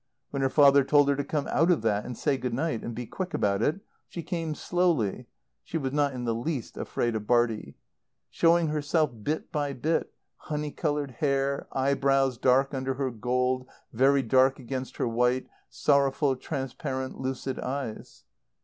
When her father told her to come out of that and say good night and be quick about it, she came slowly (she was not in the least afraid of Bartie), showing herself bit by bit, honey coloured hair, eyebrows dark under her gold, very dark against her white; sorrowful, transparent, lucid eyes.